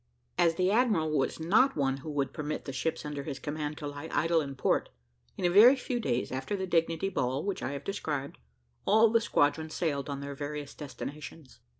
As the admiral was not one who would permit the ships under his command to lie idle in port, in a very few days after the dignity hall which I have described, all the squadron sailed on their various destinations.